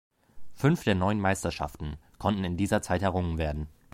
Fünf der neun Meisterschaften konnten in dieser Zeit errungen werden.